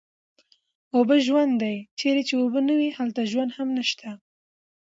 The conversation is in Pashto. اوبه ژوند دی، چېرې چې اوبه نه وي هلته ژوند هم نشته